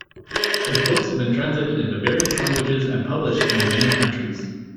His books have been translated in various languages and published in many countries.